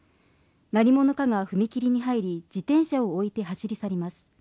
何者かが踏切に入り自転車を置いて走り去ります